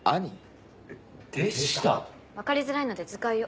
分かりづらいので図解を。